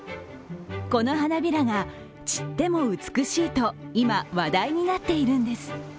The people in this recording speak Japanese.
この花びらが散っても美しいと今、話題になっているんです。